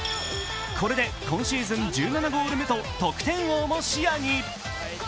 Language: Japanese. これで今シーズン１７ゴール目と得点王も視野に。